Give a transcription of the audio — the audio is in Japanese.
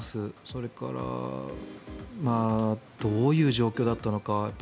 それからどういう状況だったのか。